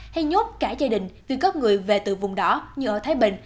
hay nhốt cả gia đình vì có người về từ vùng đỏ như ở thái bình